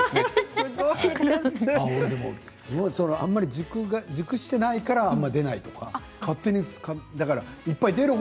トマトが熟してないからあんまり出ないとか勝手に考えていた。